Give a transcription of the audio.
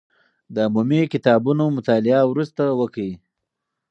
د عمومي کتابونو مطالعه وروسته وکړئ.